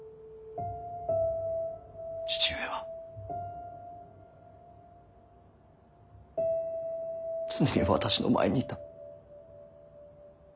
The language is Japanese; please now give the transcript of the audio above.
父上は常に私の前にいた。